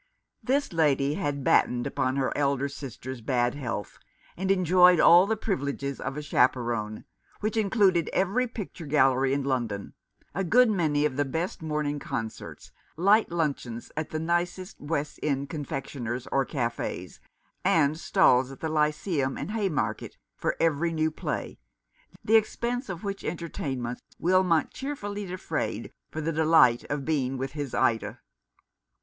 This lady had battened upon her elder sister's bad health, and enjoyed all the privileges of a chaperon, which included every picture gallery in London, a good many of the best morning concerts, light luncheons at the nicest West End confectioners or cafes, and stalls at the Lyceum and Haymarket for every new play, the expense of which entertainments Wilmot cheerfully defrayed for the delight of being with his Ida.